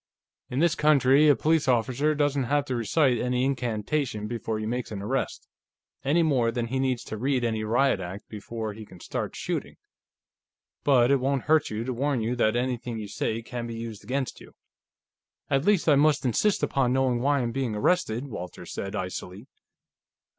"In this country, a police officer doesn't have to recite any incantation before he makes an arrest, any more than he needs to read any Riot Act before he can start shooting, but it won't hurt to warn you that anything you say can be used against you." "At least, I must insist upon knowing why I am being arrested," Walters said icily.